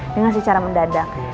dengan secara mendadak